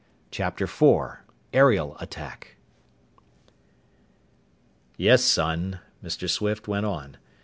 CHAPTER IV AERIAL ATTACK "Yes, son," Mr. Swift went on.